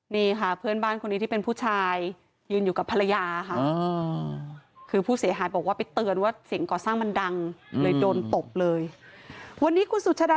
นี่ค่ะเพื่อนบ้านคนนี้ที่เป็นผู้ชายยืนอยู่กับภรรยาค่ะคือผู้เสียหายบอกว่าไปเตือนว่าเสียงก่อสร้างมันดังเลยโดนตบเลยวันนี้คุณสุชาดา